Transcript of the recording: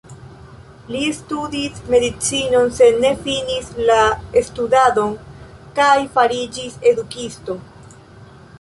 Li studis medicinon, sed ne finis la studadon kaj fariĝis edukisto.